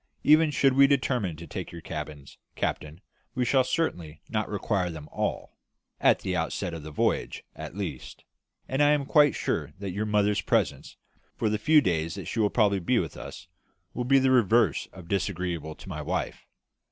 "Even should we determine to take your cabins, captain, we shall certainly not require them all at the outset of the voyage, at least and I am quite sure that your mother's presence, for the few days that she will probably be with us, will be the reverse of disagreeable to my wife.